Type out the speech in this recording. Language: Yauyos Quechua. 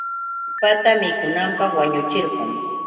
Wallpatam mikunanpaq wañuchirqun.